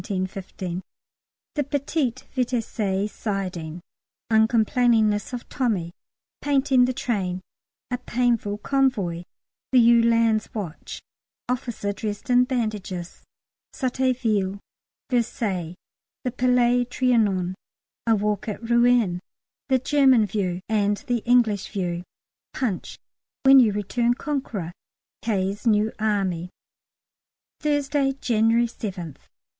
_ The Petit Vitesse siding Uncomplainingness of Tommy Painting the train A painful convoy The "Yewlan's" watch "Officer dressed in bandages" Sotteville Versailles The Palais Trianon A walk at Rouen The German view, and the English view 'Punch' "When you return Conqueror" K.'s new Army. _Thursday, January 7th.